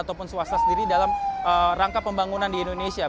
ataupun swasta sendiri dalam rangka pembangunan di indonesia